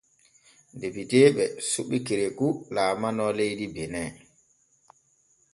Depiteeɓe suɓi Kerekou laalano leydi Benin.